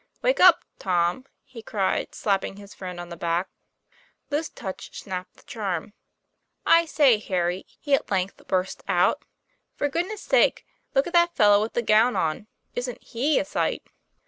'Wake up, Tom," he cried, slapping his friend on the back. This touch snapped the charm. 1 I say, Harry," he at length burst out, " for good ness' sake, look at that fellow with the gown on. Isn't he a sight?"